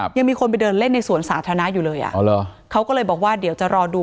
ยังมีคนไปเดินเล่นในสวนสาธารณะอยู่เลยอ่ะอ๋อเหรอเขาก็เลยบอกว่าเดี๋ยวจะรอดู